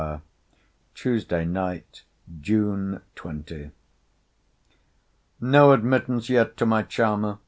TUESDAY NIGHT, JUNE 20. No admittance yet to my charmer!